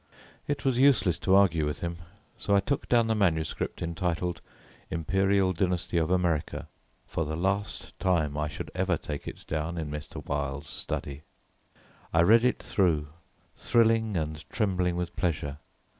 It was useless to argue with him, so I took down the manuscript entitled Imperial Dynasty of America, for the last time I should ever take it down in Mr. Wilde's study. I read it through, thrilling and trembling with pleasure.